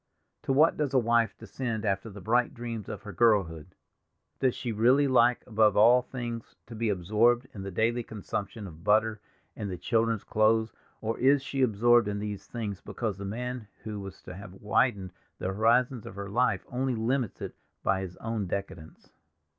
To what does a wife descend after the bright dreams of her girlhood! Does she really like above all things to be absorbed in the daily consumption of butter, and the children's clothes, or is she absorbed in these things because the man who was to have widened the horizon of her life only limits it by his own decadence?